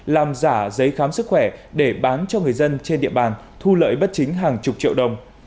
làm giả giấy khám sức khỏe để bán cho người dân trên địa bàn thu lợi bất chính hàng chục triệu đồng